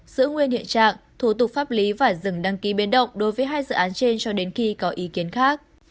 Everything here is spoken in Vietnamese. giữ nguyên hiện trạng thủ tục pháp lý và dừng đăng ký biến động đối với hai dự án trên cho đến khi có ý kiến khác